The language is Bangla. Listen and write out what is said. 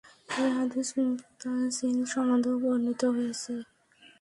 এ হাদীস মুত্তাসিল সনদেও বর্ণিত হয়েছে।